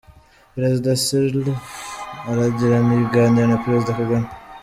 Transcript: Perezida Sirleaf aragirana ibiganiro na Perezida Kagame.